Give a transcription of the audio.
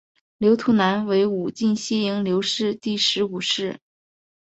刘图南为武进西营刘氏第十五世。